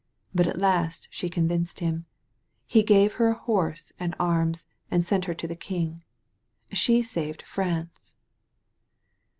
But at last she convinced him. He gave her a horse and arms and sent her to the king. She saved Prance."